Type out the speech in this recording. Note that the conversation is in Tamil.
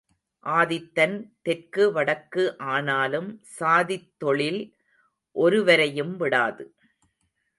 ஆதித்தன் தெற்கு வடக்கு ஆனாலும் சாதித்தொழில் ஒருவரையும் விடாது.